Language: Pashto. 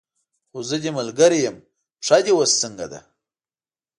خو زه دې ملګرې یم، پښه دې اوس څنګه ده؟